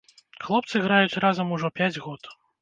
Хлопцы граюць разам ужо пяць год.